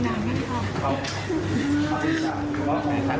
อยากขอรู้แม่อะไรบ้าง